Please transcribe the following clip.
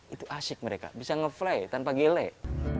itu asik mereka bisa nge fly tanpa gelek